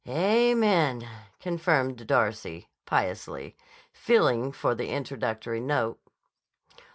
"Amen!" confirmed Darcy piously, feeling for the introductory note.